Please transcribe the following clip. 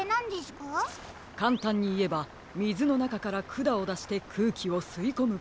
かんたんにいえばみずのなかからくだをだしてくうきをすいこむことです。